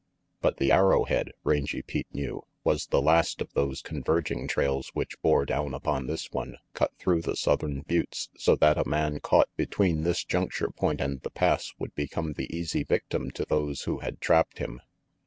But the Arrowhead, Rangy Pete knew, was the last of those converging trails which bore down upon this one cut through the southern buttes, so that a man caught between this juncture point and the Pass would become the easy victim of those who had trapped him.